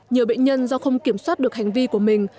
nhiều bệnh nhân do không kiểm soát được hành vi của mình